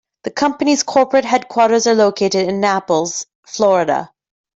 The company's corporate headquarters are located in Naples, Florida.